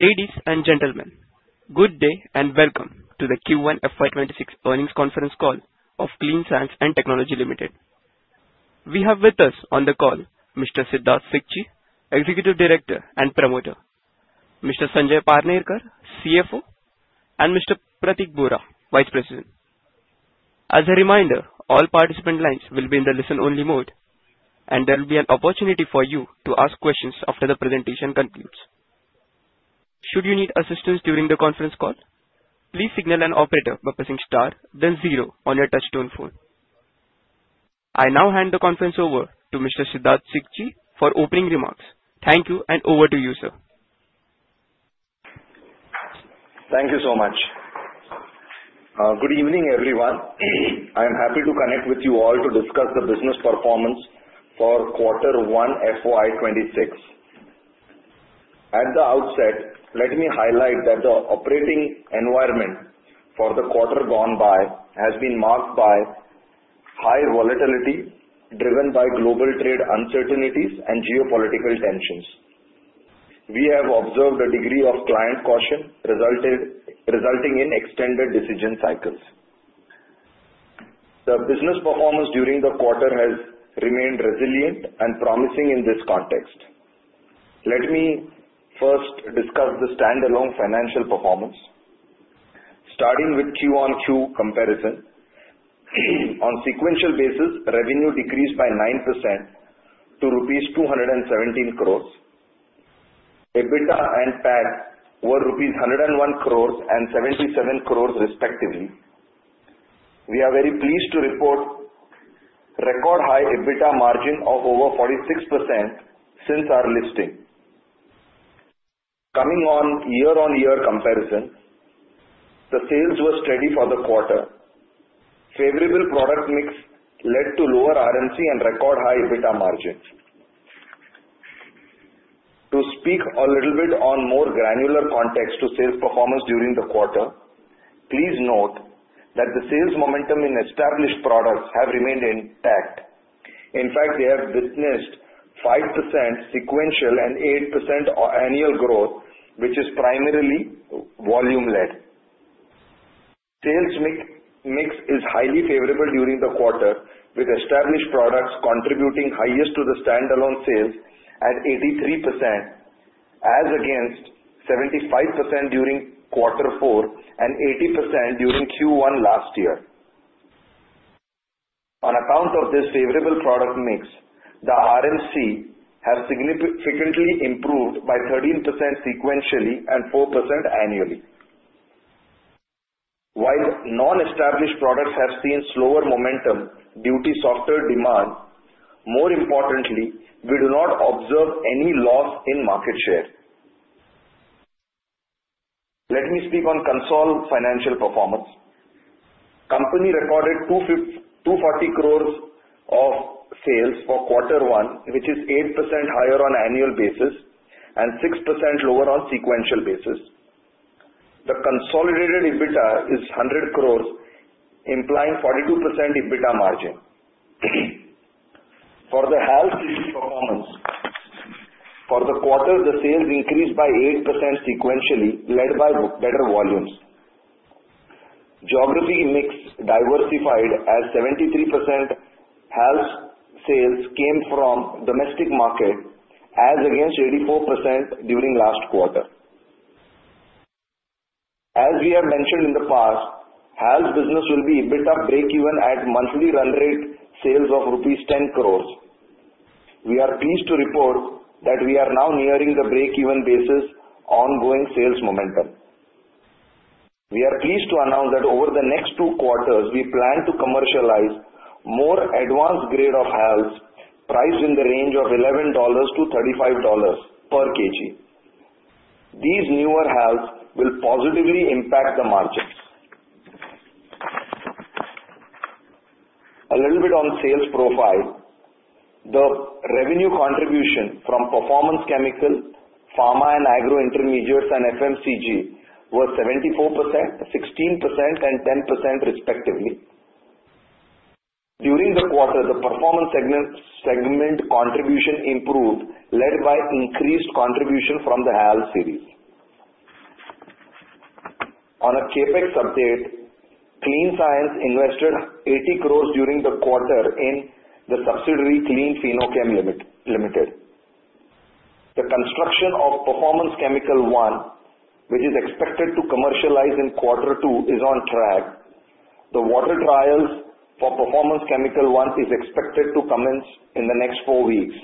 Ladies and gentlemen, good day and Welcome to the Q1 FY 2026 earnings conference call of Clean Science and Technology Limited. We have with us on the call Mr. Siddharth Sikchi, Executive Director and Promoter, Mr. Sanjay Parnerkar, Chief Financial Officer, and Mr. Pratik Bora, Vice President. As a reminder, all participant lines will be in the listen-only mode, and there will be an opportunity for you to ask questions after the presentation concludes. Should you need assistance during the conference call, please signal an operator by pressing * then 0 on your touchtone phone. I now hand the conference over to Mr. Siddharth Sikchi for opening remarks. Thank you and over to you, sir. Thank you so much. Good evening, everyone. I am happy to connect with you all to discuss the business performance for Q1 FY 2026. At the outset, let me highlight that the operating environment for the quarter gone by has been marked by high volatility driven by global trade uncertainties and geopolitical tensions. We have observed a degree of client caution resulting in extended decision cycles. The business performance during the quarter has remained resilient and promising in this context. Let me first discuss the standalone financial performance. Starting with Q-on-Q comparison, on a sequential basis, revenue decreased by 9% to rupees 217 crore. EBITDA and CAC were rupees 101 crore and 77 crore, respectively. We are very pleased to report a record-high EBITDA margin of over 46% since our listing. Coming on year-on-year comparison, the sales were steady for the quarter. Favorable product mix led to lower RMC and record-high EBITDA margins. To speak a little bit on more granular context to sales performance during the quarter, please note that the sales momentum in established products has remained intact. In fact, we have witnessed 5% sequential and 8% annual growth, which is primarily volume-led. Sales mix is highly favorable during the quarter, with established products contributing highest to the standalone sales at 83%, as against 75% during Q4 and 80% during Q1 last year. On account of this favorable product mix, the RMC has significantly improved by 13% sequentially and 4% annually. While non-established products have seen slower momentum due to softer demand, more importantly, we do not observe any loss in market share. Let me speak on consolidated financial performance. The company recorded 240 crore of sales for Q1, which is 8% higher on an annual basis and 6% lower on a sequential basis. The consolidated EBITDA is 100 crore, implying 42% EBITDA margin. For the HALS performance, for the quarter, the sales increased by 8% sequentially, led by better volumes. Geography mix diversified as 73% of HALS sales came from the domestic market, as against 84% during last quarter. As we have mentioned in the past, HALS business will be a bit of break-even at monthly run-rate sales of rupees 10 crores. We are pleased to report that we are now nearing the break-even basis ongoing sales momentum. We are pleased to announce that over the next two quarters, we plan to commercialize more advanced grade of HALS, priced in the range of $11 to $35 per kg. These newer HALS will positively impact the margin. A little bit on sales profile, the revenue contribution from Performance Chemicals, Pharma and Agro Intermediates, and FMCG was 74%, 16%, and 10%, respectively. During the quarter, the performance segment contribution improved, led by increased contribution from the HALS series. On a CapEx update, Clean Science and Technology invested 80 crore during the quarter in the subsidiary Clean Fino-Chem Limited. The construction of Performance Chemical 1, which is expected to commercialize in Q2, is on track. The water trials for Performance Chemical 1 are expected to commence in the next four weeks,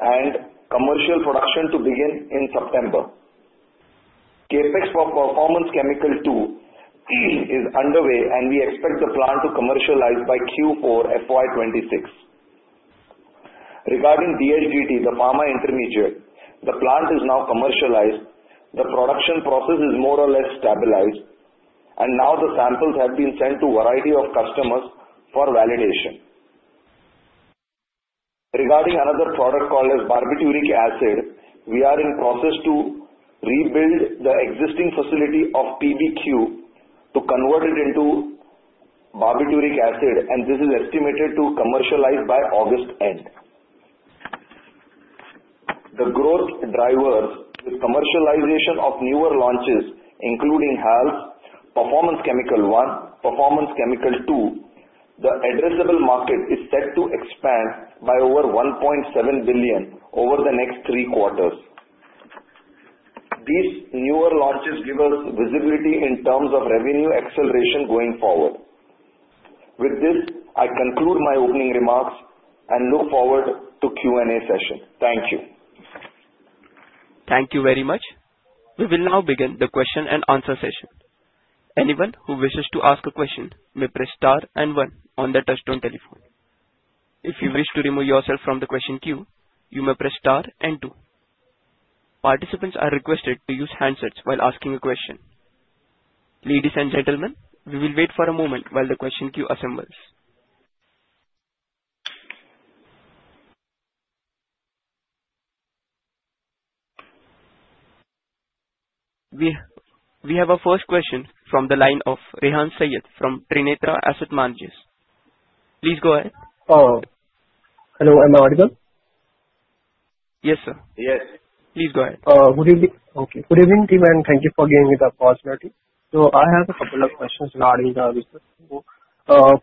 and commercial production to begin in September. CapEx for Performance Chemical 2 is underway, and we expect the plant to commercialize by Q4 FY 2026. Regarding DLGT, the pharma intermediate, the plant is now commercialized. The production process is more or less stabilized, and now the samples have been sent to a variety of customers for validation. Regarding another product called barbituric acid, we are in the process to rebuild the existing facility of PBQ to convert it into barbituric acid, and this is estimated to commercialize by August end. The growth driver is the commercialization of newer launches, including HALS, Performance Chemical 1, Performance Chemical 2. The addressable market is set to expand by over $1.7 billion over the next three quarters. These newer launches give us visibility in terms of revenue acceleration going forward. With this, I conclude my opening remarks and look forward to the Q&A session. Thank you. Thank you very much. We will now begin the question and answer session. Anyone who wishes to ask a question may press * and 1 on their touchtone telephone. If you wish to remove yourself from the question queue, you may press * and 2. Participants are requested to use handsets while asking a question. Ladies and gentlemen, we will wait for a moment while the question queue assembles. We have a first question from the line of Rehan Saiyyed from Trinetra Asset Managers. Please go ahead. Hello. Am I audio? Yes, sir. Yes. Please go ahead. Good evening. Okay. Good evening, team, and thank you for giving me the opportunity. I have a couple of questions regarding the research.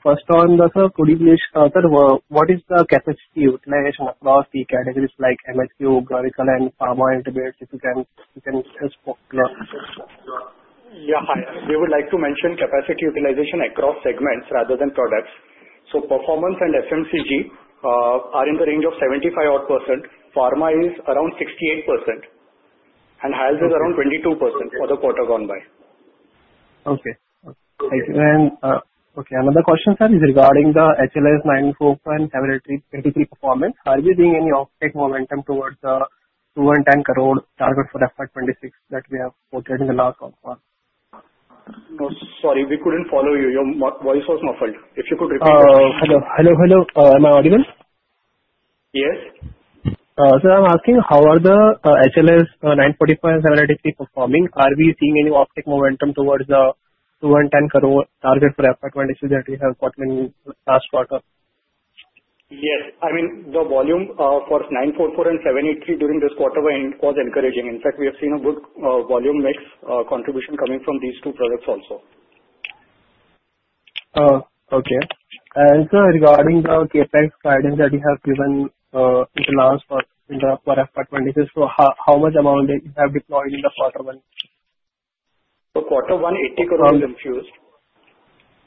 First one, sir, could you please tell what is the capacity utilization across the categories like MEHQ, Guaiacol, and Palmitate intermediate? If you can answer that. Yeah, hi. We would like to mention capacity utilization across segments rather than products. Performance and FMCG are in the range of 75%. Pharma is around 68%, and HALS is around 22% for the quarter gone by. Okay, another question, sir, is regarding the HALS 944 and 783 performance. Are you seeing any uptake momentum towards the INR 210 crore target for FY 2026 that we have quoted in the last half month? Sorry, we couldn't follow you. Your voice was muffled. If you could repeat that. Hello. Am I audio? Yes. Sir, I'm asking how are the HALS 944 and 783 performing? Are we seeing any uptake momentum towards the 210 crore target for FY 2026 that we have quoted in the last quarter? Yes. I mean, the volume for 944 and 783 during this quarter was encouraging. In fact, we have seen a good volume mix contribution coming from these two products also. Okay. Sir, regarding the capital expenditure guidance that you have given in the last part in FY 2026, how much amount have you deployed in quarter one? In quarter one, INR 80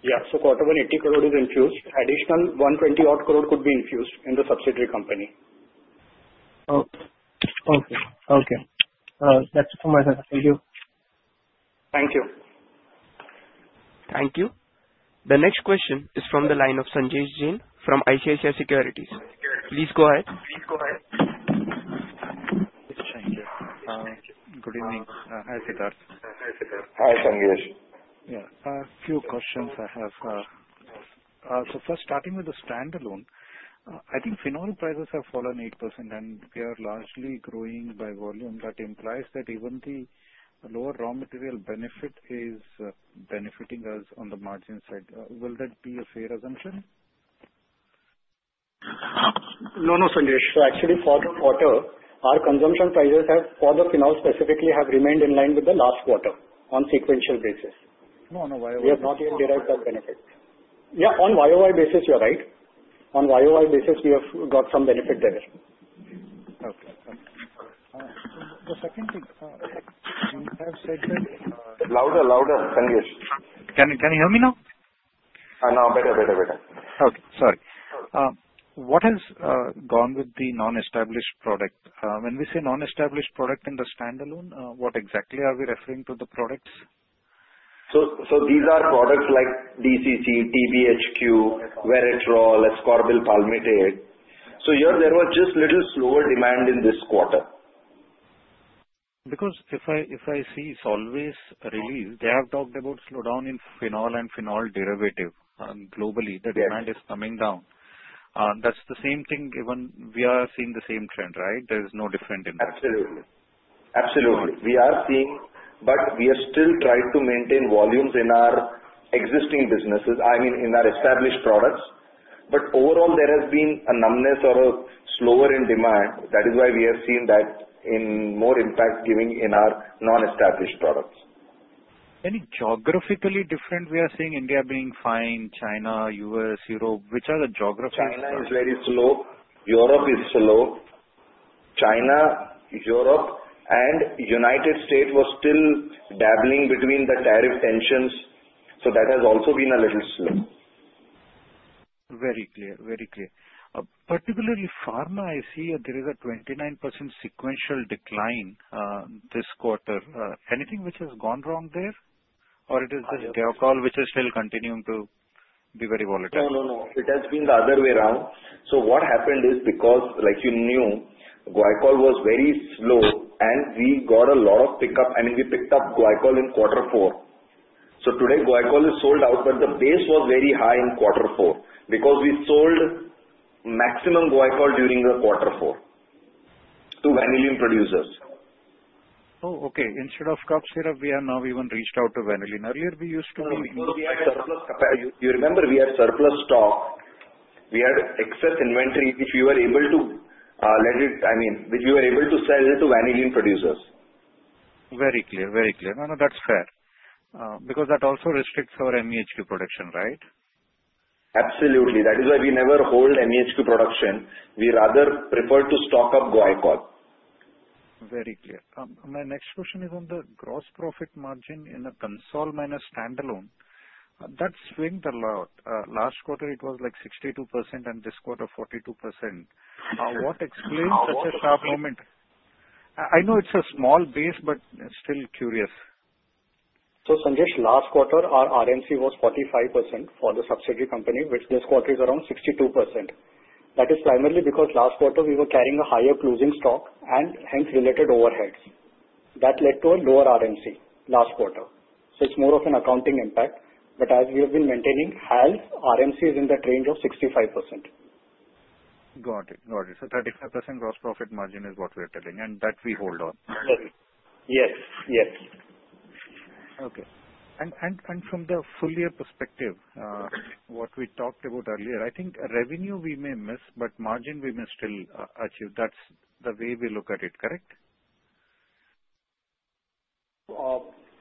crore is infused. Quarter one, 80 crore is infused. Additional 120-odd crore could be infused in the subsidiary company. Okay. Okay. That's it from my side. Thank you. Thank you. Thank you. The next question is from the line of Sanjesh Jain from ICICI Securities. Please go ahead. Thank you. Good evening. I'm Siddharth. Hi, Sanjay. Yeah, so a few questions I have. First, starting with the standalone, I think phenol prices have fallen 8%, and we are largely growing by volume. That implies that even the lower raw material benefit is benefiting us on the margin side. Will that be a fair assumption? No, no, Sanjay. For the quarter, our consumption prices for the phenol specifically have remained in line with the last quarter on a sequential basis. No, no. Why? We have not even derived that benefit. Yeah, on a YOY basis, you're right. On a YOY basis, we have got some benefit there. Okay. Thanks. Second thing, sir, we have said that. Louder, louder, Sanjay. Can you hear me now? Better, better, better. Okay. Sorry. What has gone with the non-established product? When we say non-established product in the standalone, what exactly are we referring to the products? These are products like DCC, TBHQ, Veratrole, Ascorbyl Palmitate. There was just a little slower demand in this quarter. Because if I see, it's always a relief. They have talked about slowdown in phenol and phenol derivatives. Globally, the demand is coming down. That's the same thing given we are seeing the same trend, right? There is no difference in that. Absolutely. Absolutely. We are seeing, but we are still trying to maintain volumes in our existing businesses, I mean, in our established products. Overall, there has been a numbness or a slower in demand. That is why we are seeing that in more impact giving in our non-established products. Any geographically different? We are seeing India being fine, China, U.S., Europe. Which are the geographic? China is very slow. Europe is slow. China, Europe, and the U.S. were still dabbling between the tariff tensions. That has also been a little slow. Very clear, very clear. Particularly Pharma, I see there is a 29% sequential decline this quarter. Anything which has gone wrong there, or it is just Guaiacol, which is still continuing to be very volatile? No, no, no. It has been the other way around. What happened is because, like you knew, Guaiacol was very slow, and we got a lot of pickup. I mean, we picked up Guaiacol in quarter four. Today, Guaiacol is sold out, but the base was very high in quarter four because we sold maximum Guaiacol during quarter four to Vanillin producers. Oh, okay. Instead of cough syrup, we have now even reached out to Vanillin. Earlier, we used to be. You remember, we had surplus stock. We had excess inventory, which we were able to sell to Vanillin producers. Very clear, very clear. No, no, that's fair. Because that also restricts our MEHQ production, right? Absolutely. That is why we never hold MEHQ production. We rather prefer to stock up Guaiacol. Very clear. My next question is on the gross profit margin in a console minus standalone. That swung a lot. Last quarter, it was like 62%, and this quarter, 42%. What explains such a calm moment? I know it's a small base, but still curious. Sanjay, last quarter, our RMC was 45% for the subsidiary company, which this quarter is around 62%. That is primarily because last quarter, we were carrying a higher closing stock and hence related overheads. That led to a lower RMC last quarter. It's more of an accounting impact. As we have been maintaining, HALS RMC is in that range of 65%. Got it. Got it. 35% gross profit margin is what we are telling, and that we hold on. Yes, yes. Okay. From the full-year perspective, what we talked about earlier, I think revenue we may miss, but margin we may still achieve. That's the way we look at it, correct?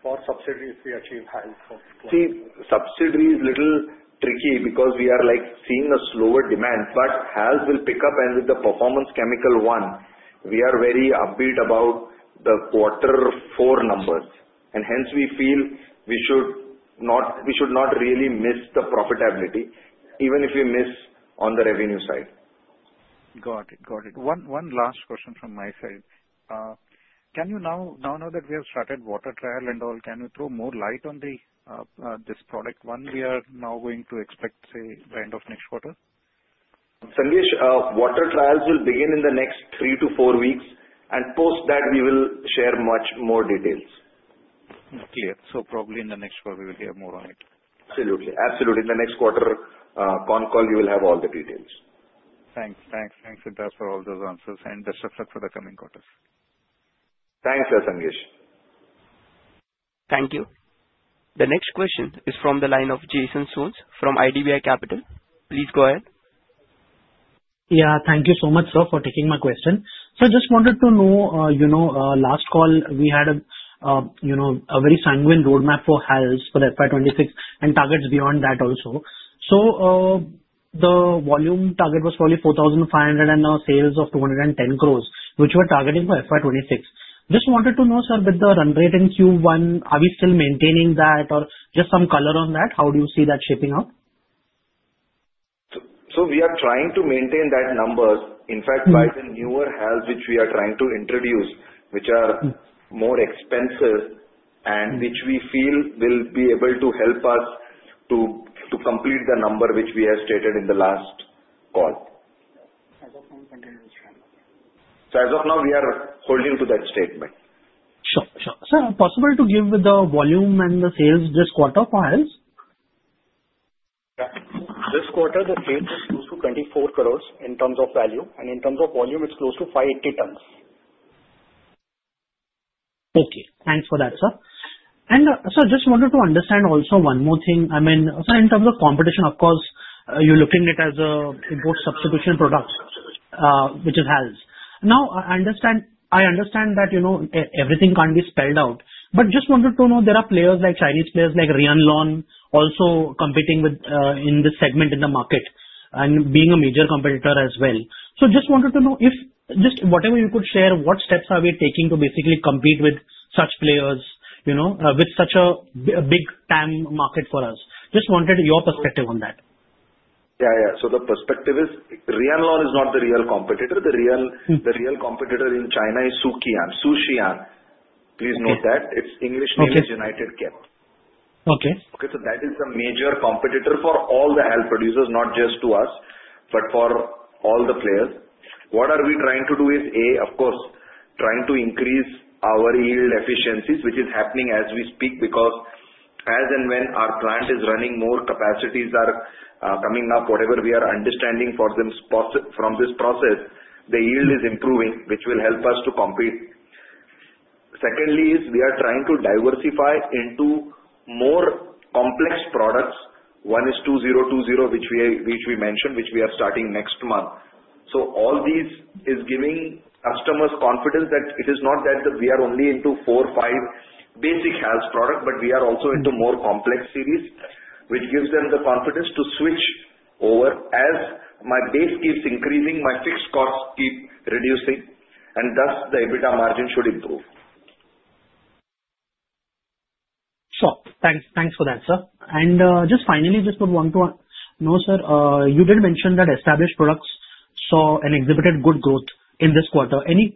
For subsidiaries, we achieve HALS. See, subsidiaries are a little tricky because we are like seeing a slower demand. However, HALS will pick up, and with the Performance Chemical 1, we are very upbeat about the quarter four numbers. Hence, we feel we should not, we should not really miss the profitability, even if we miss on the revenue side. Got it. One last question from my side. Can you now, now that we have started water trial and all, can you throw more light on the, this product one we are now going to expect, say, by end of next quarter? Sanjay, water trials will begin in the next three to four weeks, and post that, we will share much more details. Clear. Probably in the next quarter, we will hear more on it. Absolutely. Absolutely. In the next quarter call, we will have all the details. Thanks, Siddharth, for all those answers and the support for the coming quarters. Thanks, Sanjay. Thank you. The next question is from the line of Jason Soans from IDBI Capital. Please go ahead. Thank you so much, sir, for taking my question. Sir, just wanted to know, last call, we had a very sanguine roadmap for HALS for FY 2026 and targets beyond that also. The volume target was probably 4,500 and the sales of 210 crore, which were targeted for FY 2026. Just wanted to know, sir, with the run rate in Q1, are we still maintaining that or just some color on that? How do you see that shaping up? We are trying to maintain that number. In fact, by the newer HALS, which we are trying to introduce, which are more expensive and which we feel will be able to help us to complete the number which we have stated in the last call. As of now, we are holding to that statement. Sure. Sir, possible to give the volume and the sales this quarter for HALS? This quarter, the sales is close to 24 crore in terms of value, and in terms of volume, it's close to 580 tons. Okay. Thanks for that, sir. Sir, just wanted to understand also one more thing. I mean, in terms of competition, of course, you're looking at it as a post-substitution product, which is HALS. Now, I understand that, you know, everything can't be spelled out, but just wanted to know, there are players like Chinese players like Rianlon also competing with, in this segment in the market and being a major competitor as well. Just wanted to know if just whatever you could share, what steps are we taking to basically compete with such players, you know, with such a big TAM market for us? Just wanted your perspective on that. Yeah. The perspective is Rianlon is not the real competitor. The real competitor in China is Suqian, Shunda. Please note that. Its English means United Kingdom. Okay. Okay. That is the major competitor for all the HALS producers, not just to us, but for all the players. What we are trying to do is, A, of course, trying to increase our yield efficiencies, which is happening as we speak because as and when our plant is running more, capacities are coming up, whatever we are understanding from this process, the yield is improving, which will help us to compete. Secondly, we are trying to diversify into more complex products. One is 2020, which we mentioned, which we are starting next month. All this is giving customers confidence that it is not that we are only into four or five basic HALS products, but we are also into more complex series, which gives them the confidence to switch over as my base keeps increasing, my fixed costs keep reducing, and thus the EBITDA margin should improve. Sure. Thanks. Thanks for that, sir. Just finally, just want to know, sir, you did mention that established products saw and exhibited good growth in this quarter. Any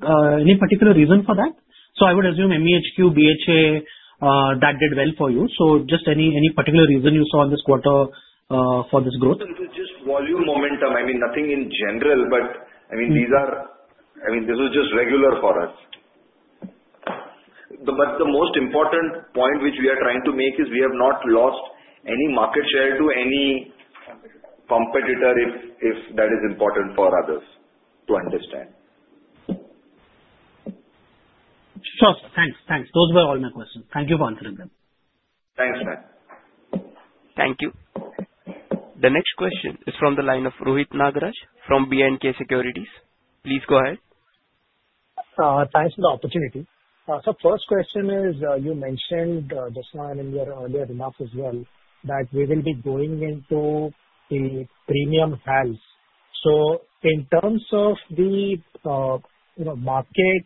particular reason for that? I would assume MEHQ, BHA, that did well for you. Just any particular reason you saw in this quarter for this growth? It was just volume momentum. Nothing in general, this was just regular for us. The most important point which we are trying to make is we have not lost any market share to any competitor if that is important for others to understand. Sure. Thanks. Thanks. Those were all my questions. Thank you for answering them. Thanks, sir. Thank you. The next question is from the line of Rohit Nagraj from B&K Securities. Please go ahead. Thanks for the opportunity. First question is, you mentioned this one in your earlier remarks as well, that we will be going into the premium HALS. In terms of the market,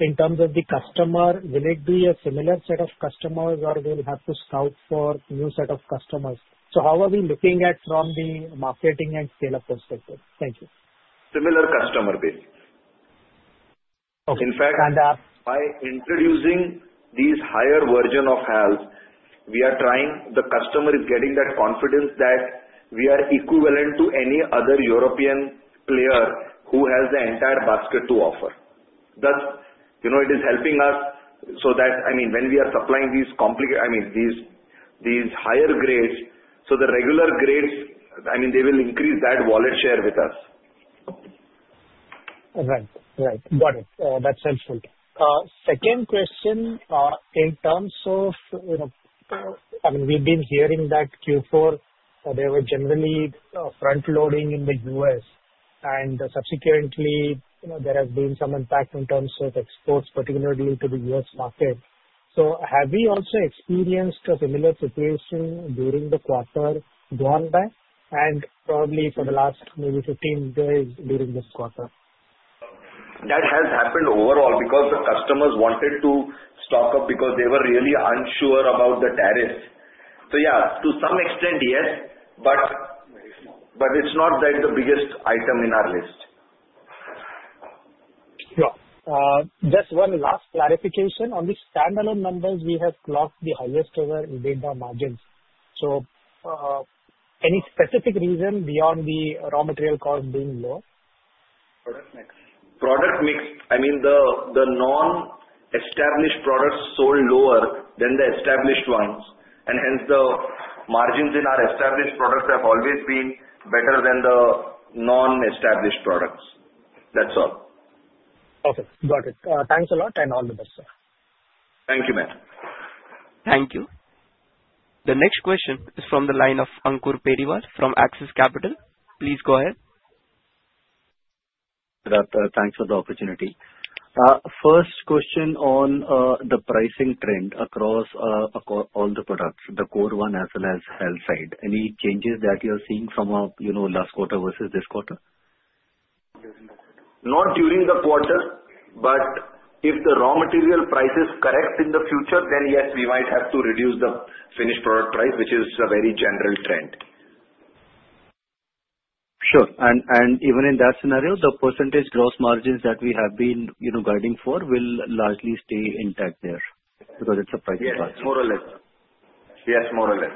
in terms of the customer, will it be a similar set of customers or will we have to scout for a new set of customers? How are we looking at it from the marketing and scale-up perspective? Thank you. Similar customer base. In fact, by introducing these higher versions of HALS, we are trying, the customer is getting that confidence that we are equivalent to any other European player who has the entire basket to offer. It is helping us so that, I mean, when we are supplying these higher grades, the regular grades, they will increase that wallet share with us. Right. Got it. That's helpful. Second question, in terms of, you know, we've been hearing that Q4, there was generally front-loading in the U.S., and subsequently, you know, there has been some impact in terms of exports, particularly to the U.S. market. Have we also experienced a similar situation during the quarter gone by and probably for the last maybe 15 days during this quarter? That has happened overall because the customers wanted to stock up because they were really unsure about the tariffs. Yes, to some extent, yes, but it's not like the biggest item in our list. Sure. Just one last clarification. On the standalone numbers, we have clocked the highest ever EBITDA margins. Is there any specific reason beyond the raw material cost being low? Product mix. Product mix. I mean, the non-established products sold lower than the established ones, and hence the margins in our established products have always been better than the non-established products. That's all. Okay. Got it. Thanks a lot and all the best, sir. Thank you, ma'am. Thank you. The next question is from the line of Ankur Periwal from Axis Capital. Please go ahead. Siddharth, thanks for the opportunity. First question on the pricing trend across all the products, the core one as well as HALS side. Any changes that you are seeing from last quarter versus this quarter? Not during the quarter, but if the raw material prices correct in the future, then yes, we might have to reduce the finished product price, which is a very general trend. Sure, even in that scenario, the % gross margins that we have been guiding for will largely stay intact there because it's a price of HALS. Yes, more or less. Yes, more or less.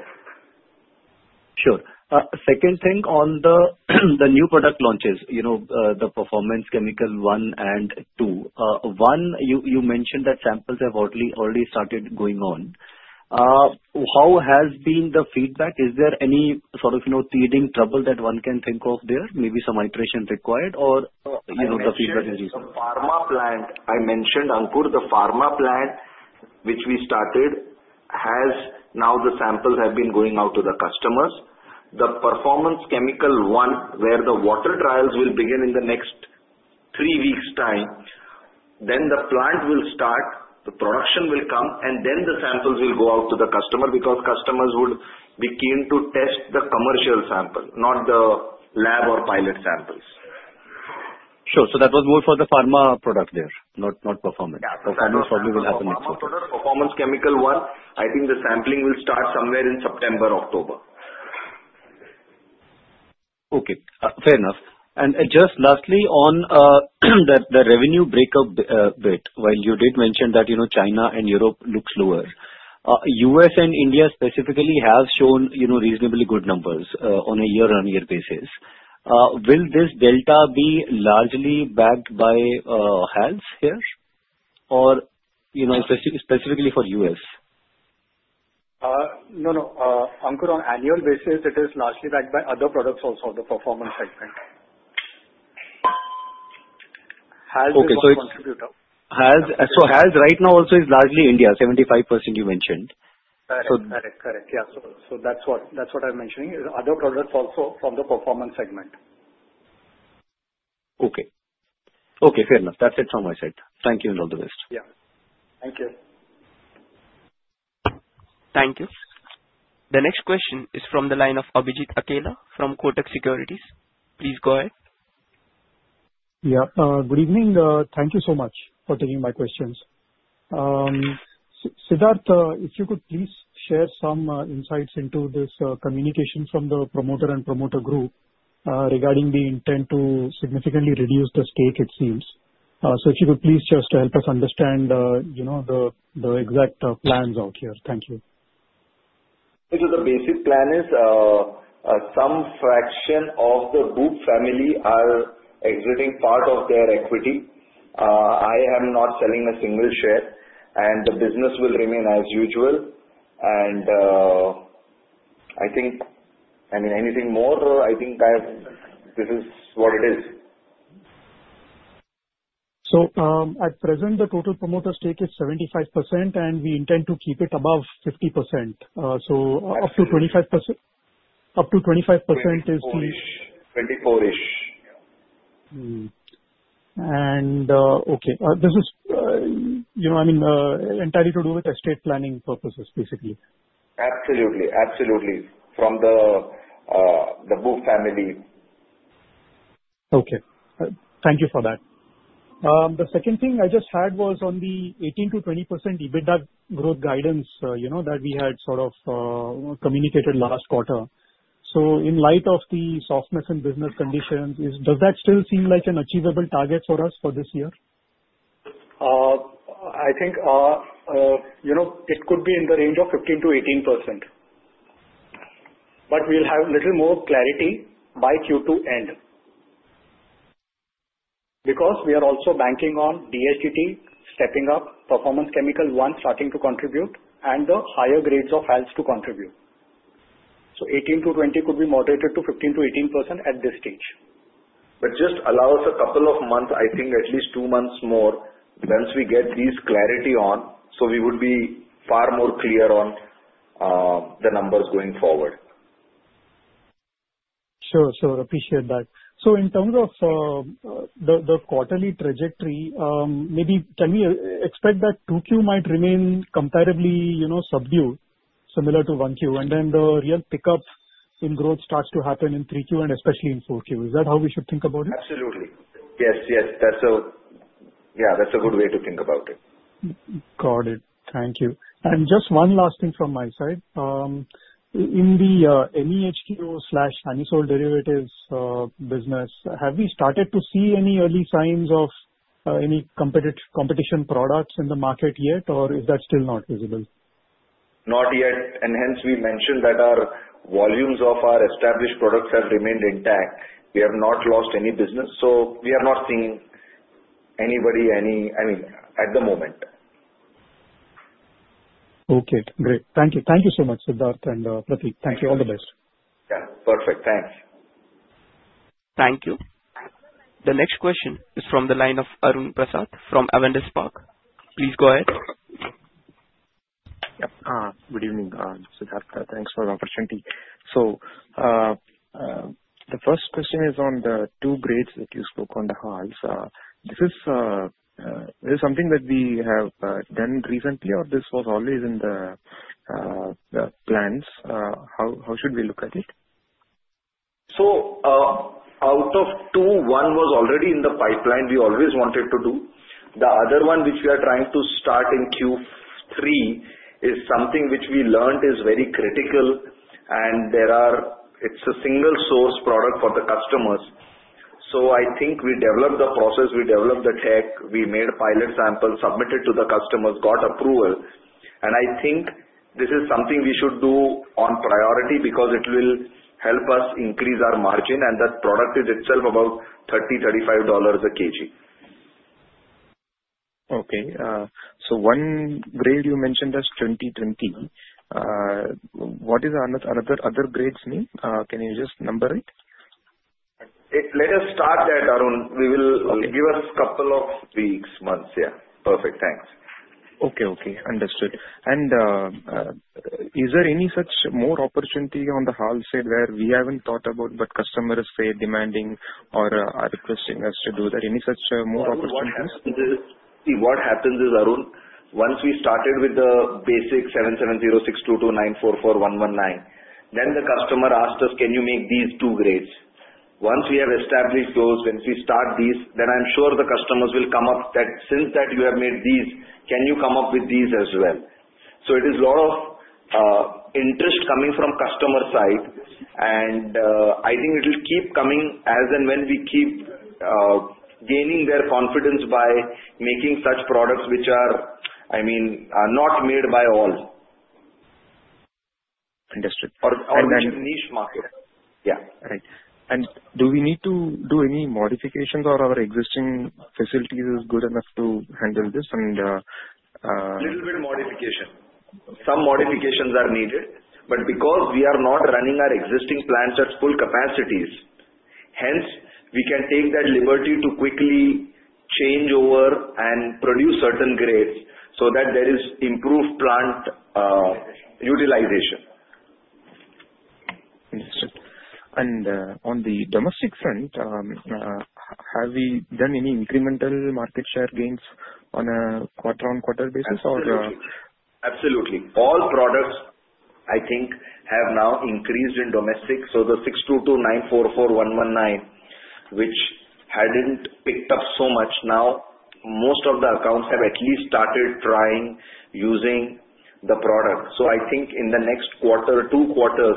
Sure. Second thing on the new product launches, you know, the Performance Chemical 1 and 2. One, you mentioned that samples have already started going on. How has been the feedback? Is there any sort of teething trouble that one can think of there? Maybe some iteration required or the feedback is reasonable? Pharma plant, I mentioned, Ankur, the pharma plant, which we started, has now the samples have been going out to the customers. The Performance Chemical 1, where the water trials will begin in the next three weeks' time, the plant will start, the production will come, and the samples will go out to the customer because customers would be keen to test the commercial sample, not the lab or pilot samples. Sure. That was more for the pharma product there, not performance. Yeah. Performance probably will happen next quarter. Performance Chemical 1, I think the sampling will start somewhere in September, October. Okay. Fair enough. Just lastly, on the revenue breakup bit, while you did mention that, you know, China and Europe look slower, U.S. and India specifically have shown, you know, reasonably good numbers on a year-on-year basis. Will this delta be largely backed by HALS here or, you know, specifically for U.S.? No, no. Ankur, on an annual basis, it is largely backed by other products also on the performance segment. HALS is a contributor. Okay. HALS right now also is largely India, 75% you mentioned. Correct. Correct. Correct. Yeah, that's what I'm mentioning. Other products also from the performance segment. Okay. Okay. Fair enough. That's it from my side. Thank you and all the best. Yeah, thank you. Thank you. The next question is from the line of Abhijit Akella from Kotak Securities. Please go ahead. Yeah. Good evening. Thank you so much for taking my questions. Siddharth, if you could please share some insights into this communication from the promoter and promoter group regarding the intent to significantly reduce the stake it sells. If you could please just help us understand the exact plans out here. Thank you. The basic plan is some fraction of the group family are exerting part of their equity. I am not selling a single share, and the business will remain as usual. I think, I mean, anything more, or I think this is what it is. At present, the total promoter stake is 75%, and we intend to keep it above 50%. Up to 25% is the. 24-ish. This is, you know, I mean, entirely to do with estate planning purposes, basically. Absolutely. Absolutely. From the group family. Okay. Thank you for that. The second thing I just had was on the 18% - 20% EBITDA growth guidance that we had sort of communicated last quarter. In light of the softness in business conditions, does that still seem like an achievable target for us for this year? I think it could be in the range of 15% - 18%. We'll have a little more clarity by Q2 end because we are also banking on DLGT stepping up, Performance Chemical 1 starting to contribute, and the higher grades of HALS to contribute. 18% - 20% could be moderated to 15% - 18% at this stage. Please allow us a couple of months, at least two months more. Once we get this clarity, we would be far more clear on the numbers going forward. Appreciate that. In terms of the quarterly trajectory, maybe can we expect that 2Q might remain comparably, you know, subdued, similar to 1Q, and then the real pickup in growth starts to happen in 3Q and especially in 4Q? Is that how we should think about it? Absolutely. Yes, yes. That's a good way to think about it. Got it. Thank you. Just one last thing from my side. In the MEHQ derivatives business, have we started to see any early signs of any competition products in the market yet, or is that still not visible? Not yet. Hence, we mentioned that our volumes of our established products have remained intact. We have not lost any business. We are not seeing anybody at the moment. Okay. Great. Thank you. Thank you so much, Siddharth and Pratik. Thank you. All the best. Yeah. Perfect. Thanks. Thank you. The next question is from the line of Arun Prasath from Avendus Park. Please go ahead. Yeah. Good evening, Siddharth. Thanks for the opportunity. The first question is on the two grades that you spoke on the HALS. Is this something that we have done recently, or was this always in the plans? How should we look at it? Out of two, one was already in the pipeline we always wanted to do. The other one, which we are trying to start in Q3, is something which we learned is very critical, and it's a single-source product for the customers. I think we developed the process, we developed the tech, we made pilot samples, submitted to the customers, got approval. I think this is something we should do on priority because it will help us increase our margin, and that product is itself about $30, $35 a kg. Okay. One day you mentioned as 2020. What does other grades mean? Can you just number it? Let us start that, Arun. We will give us a couple of weeks, months. Yeah. Perfect. Thanks. Okay. Okay. Understood. Is there any such more opportunity on the HALS side where we haven't thought about, but customers are demanding or are requesting us to do that? Any such more opportunities? See, what happens is, Arun, once we started with the basic 770622944119, then the customer asked us, "Can you make these two grades?" Once we have established those, when we start these, I'm sure the customers will come up that since you have made these, can you come up with these as well? It is a lot of interest coming from customer side, and I think we will keep coming as and when we keep gaining their confidence by making such products which are, I mean, not made by all. Understood. For a niche market, yeah. Right. Do we need to do any modifications, or are our existing facilities good enough to handle this? A little bit of modification. Some modifications are needed, because we are not running our existing plants at full capacities, hence we can take that liberty to quickly change over and produce certain grades so that there is improved plant utilization. Understood. On the domestic front, have we done any incremental market share gains on a quarter-on-quarter basis, or? Absolutely. All products, I think, have now increased in domestic. The 622944119, which hadn't picked up so much, now most of the accounts have at least started trying using the product. I think in the next quarter, two quarters,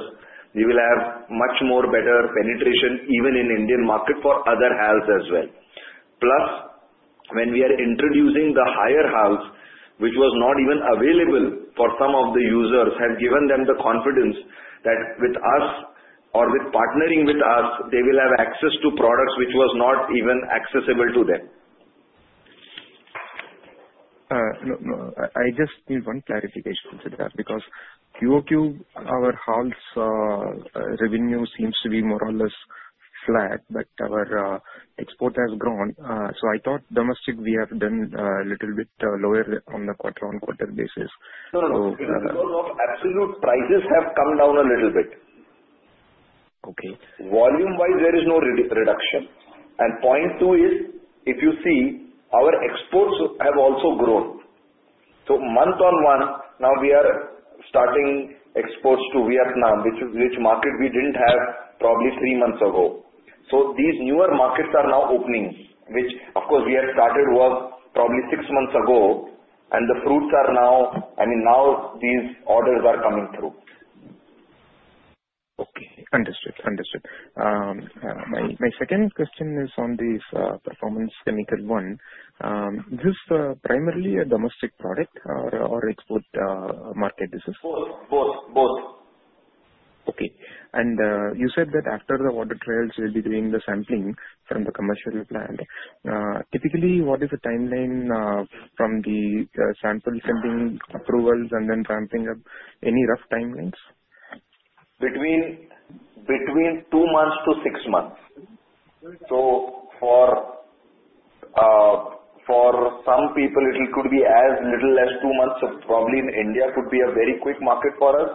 we will have much better penetration even in the Indian market for other HALS as well. Plus, when we are introducing the higher HALS, which was not even available for some of the users, it has given them the confidence that with us or with partnering with us, they will have access to products which were not even accessible to them. No, no. I just need one clarification, Siddharth, because Q2 our HALS revenue seems to be more or less flat, but our export has grown. I thought domestic we have done a little bit lower on the quarter-on-quarter basis. No, in terms of absolute prices have come down a little bit. Okay. Volume-wise, there is no reduction. Point two is, if you see, our exports have also grown. Month on month, now we are starting exports to Vietnam, which is a market we didn't have probably three months ago. These newer markets are now opening, which, of course, we have started work probably six months ago, and the fruits are now, I mean, now these orders are coming through. Understood. My second question is on this Performance Chemical 1. Just primarily a domestic product or export market, this is? Both. Both. Okay. You said that after the water trials, you'll be doing the sampling from the commercial plant. Typically, what is the timeline from the sampling approvals and then ramping up? Any rough timelines? Between two months to six months. For some people, it could be as little as two months. Probably in India, it could be a very quick market for us.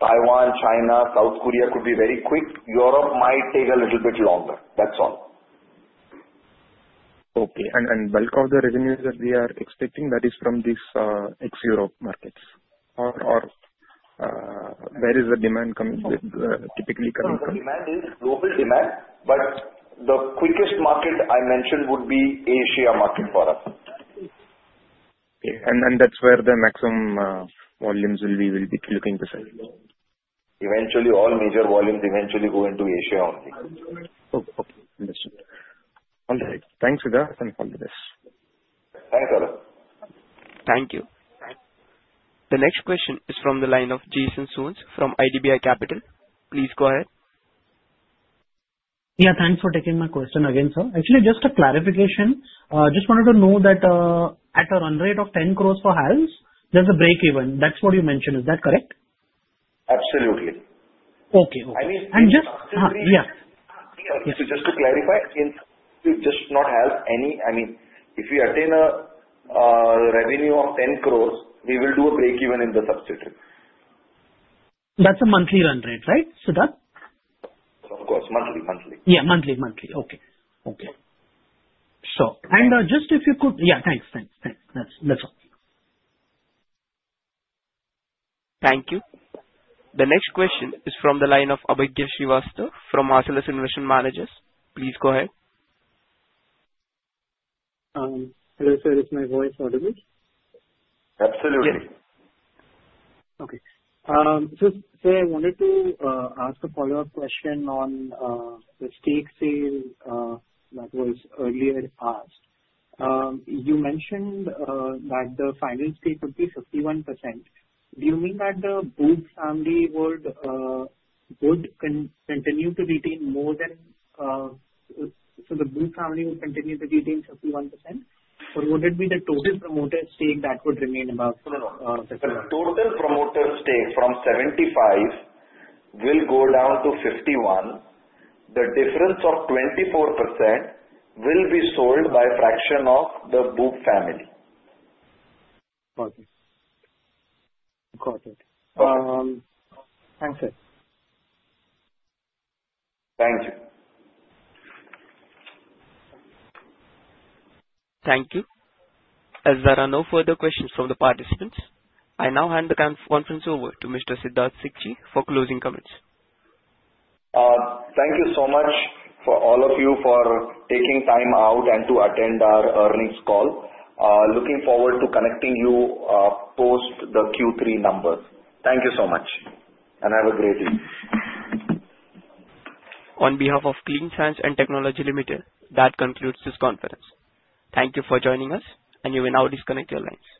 Taiwan, China, South Korea could be very quick. Europe might take a little bit longer. That's all. Okay. The bulk of the revenues that we are expecting, that is from these ex-Europe markets? Where is the demand typically coming from? The demand is global demand, but the quickest market I mentioned would be the Asia market for us. Okay. That's where the maximum volumes will be, we will be looking to sell? All major volumes eventually go into Asia only. Okay. Understood. Thanks, Siddharth, and all the best. Thanks, Arun. Thank you. The next question is from the line of Jason Soans from IDBI Capital. Please go ahead. Yeah, thanks for taking my question again, sir. Actually, just a clarification. I just wanted to know that at a run rate of 10 crore for HALS, there's a break-even. That's what you mentioned. Is that correct? Absolutely. Okay. Okay. I mean. Yeah. Okay. Just to clarify, since we just not have any, I mean, if we attain a revenue of 10 crore, we will do a break-even in the subsidiaries. That's a monthly run rate, right, Siddharth? Of course, monthly, monthly. Yeah, monthly, monthly. Okay. Okay. If you could, yeah, thanks, thanks, thanks. That's all. Thank you. The next question is from the line of Abhigyan Srivastav from Marcellus Investment Managers. Please go ahead. Hello, sir. Is my voice audible? Absolutely. Yes. Okay. Sir, I wanted to ask a follow-up question on the stake sale that was earlier asked. You mentioned that the final stake would be 51%. Do you mean that the Booth family would continue to retain more than, so the Booth family will continue to retain 51%? Or would it be the total promoter stake that would remain above? The total promoter stake from 75% will go down to 51%. The difference of 24% will be sold by a fraction of the Booth family. Okay. Got it. Thanks, sir. Thank you. Thank you. As there are no further questions from the participants, I now hand the conference over to Mr. Siddharth Sikchi for closing comments. Thank you so much for all of you for taking time out to attend our earnings call. Looking forward to connecting you post the Q3 numbers. Thank you so much. Have a great day. On behalf of Clean Science and Technology Limited, that concludes this conference. Thank you for joining us, and you will now disconnect your lines.